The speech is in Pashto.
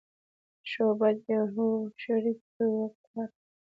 ښه او بد یې وو شریک یو یې واکدار و.